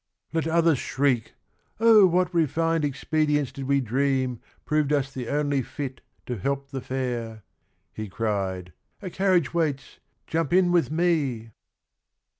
148 THE RING AND THE BOOK Let others shriek 'Oh what refined expedients did we dream Proved us the only fit to help the fair !' He cried, 'A carriage waits, jump in with me.'